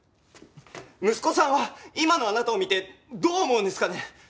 息子さんは今のあなたを見てどう思うんですかね？